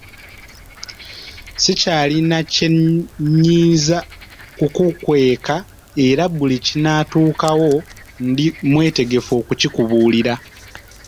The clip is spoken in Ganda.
Sikyalina kye nnyinza kukukweka era buli ekinaatuukawo ndi mwetegefu okukikubuulira.